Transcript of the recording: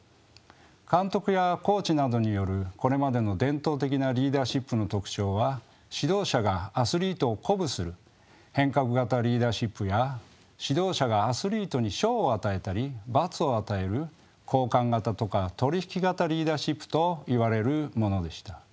監督やコーチなどによるこれまでの伝統的なリーダーシップの特徴は指導者がアスリートを鼓舞する変革型リーダーシップや指導者がアスリートに賞を与えたり罰を与える交換型とか取引型リーダーシップといわれるものでした。